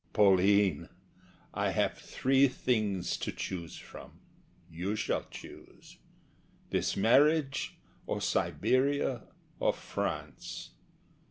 Pauline, I have three things to choose from; you shall choose: This marriage, or Siberia, or France.